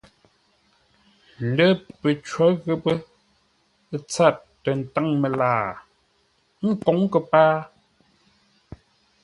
Lə́, pəcó ghəpə́ tsâr tə ntáŋ məlaa, ə́ nkǒŋ kəpaa.